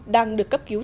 đang được cấp cứu tạm